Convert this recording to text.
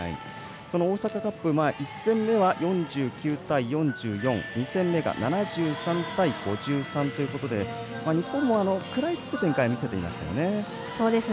その大阪カップ１戦目は４９対４４２戦目が７３対５３ということで日本も食らいつく展開は見せていましたよね。